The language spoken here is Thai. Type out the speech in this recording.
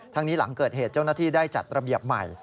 นี้หลังเกิดเหตุเจ้าหน้าที่ได้จัดระเบียบใหม่